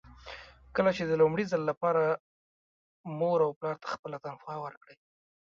کله چې د لومړي ځل لپاره مور او پلار ته خپله تنخوا ورکړئ.